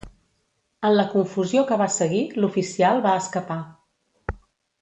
En la confusió que va seguir, l'oficial va escapar.